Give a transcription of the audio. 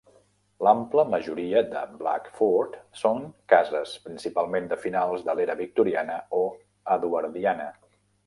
La ampla majoria de Blackford són cases, principalment de finals de l"era Victoriana o Eduardiana.